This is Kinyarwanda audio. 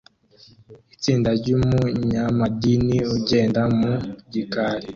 Itsinda ryumunyamadini ugenda mu gikari